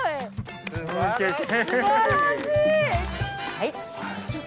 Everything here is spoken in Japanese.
はい！